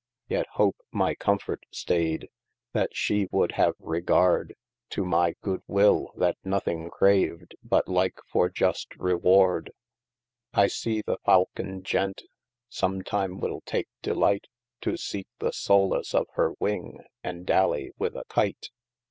Yet hope my comfort staide, that she would have regard, To my good will that nothing crav'd, but like for just reward : I see the faucon gent sometime will take delight To seeke the solace of hir wing, and dallie with a kite.